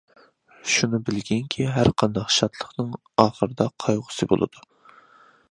شۇنى بىلگىنكى، ھەر قانداق شادلىقنىڭ ئاخىرىدا قايغۇسى بولىدۇ.